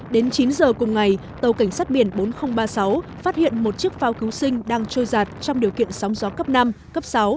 đến chín giờ cùng ngày tàu cảnh sát biển bốn nghìn ba mươi sáu phát hiện một chiếc phao cứu sinh đang trôi giạt trong điều kiện sóng gió cấp năm cấp sáu